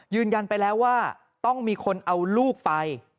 ยืนยันไปแล้วว่าต้องมีคนเอาลูกไป